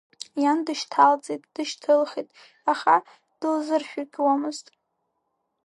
Иан дышьҭалҵеит дышьҭылхит, аха дылзыршәыкьуамызт.